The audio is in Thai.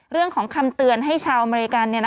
เรื่องของคำเตือนให้ชาวอเมริกัน